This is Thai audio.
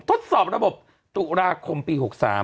ทดสอบระบบตุลาคมปี๖๓